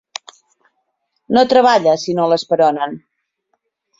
No treballa si no l'esperonen.